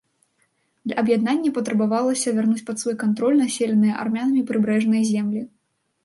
Для аб'яднання патрабавалася вярнуць пад свой кантроль населеныя армянамі прыбярэжныя землі.